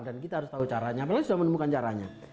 dan kita harus tahu caranya apalagi sudah menemukan caranya